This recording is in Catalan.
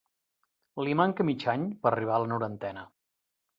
Li manca mig any per a arribar a la norantena.